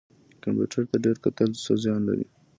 کمپیوټر ته ډیر کتل څه زیان لري؟